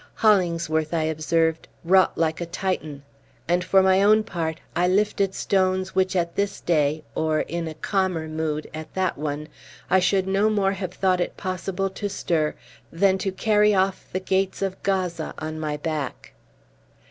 Hollingsworth, I observed, wrought like a Titan; and, for my own part, I lifted stones which at this day or, in a calmer mood, at that one I should no more have thought it possible to stir than to carry off the gates of Gaza on my back.